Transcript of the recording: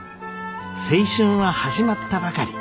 青春は始まったばかり。